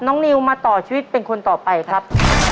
นิวมาต่อชีวิตเป็นคนต่อไปครับ